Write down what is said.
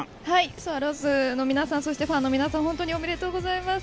スワローズの皆さん、そしてファンの皆さん、本当におめでとうございます。